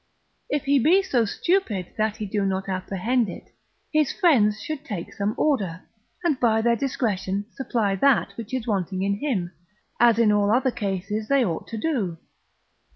If he be so stupid that he do not apprehend it, his friends should take some order, and by their discretion supply that which is wanting in him, as in all other cases they ought to do.